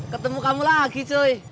ketemu kamu lagi coy